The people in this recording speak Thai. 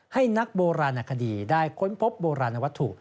ให้นักโบราณคดีได้ค้นพบโบราณวัตถุ